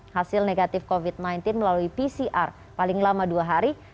hasil negatif covid sembilan belas melalui pcr paling lama dua hari